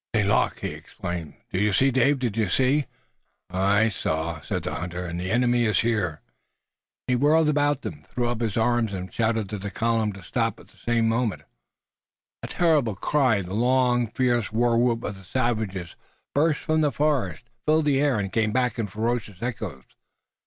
"St. Luc!" he exclaimed. "Did you see, Dave? Did you see?" "Aye, I saw," said the hunter, "and the enemy is here!" He whirled about, threw up his arms and shouted to the column to stop. At the same moment, a terrible cry, the long fierce war whoop of the savages, burst from the forest, filled the air and came back in ferocious echoes.